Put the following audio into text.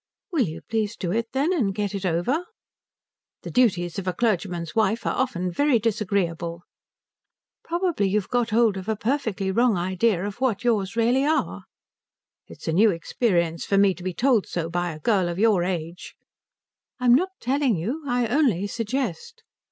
"Will you please do it, then, and get it over?" "The duties of a clergyman's wife are often very disagreeable." "Probably you've got hold of a perfectly wrong idea of what yours really are." "It is a new experience for me to be told so by a girl of your age." "I am not telling you. I only suggest."